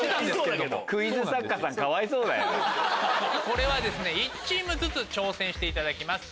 これは１チームずつ挑戦していただきます。